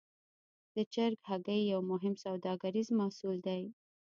د چرګ هګۍ یو مهم سوداګریز محصول دی.